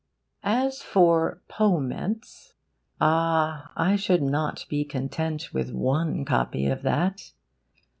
As for POMENTS ah, I should not be content with one copy of that.